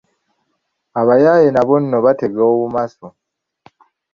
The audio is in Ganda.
Abayaaye nabo nno batega obumasu!